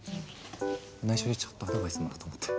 ないしょでちょっとアドバイスもらおうと思って。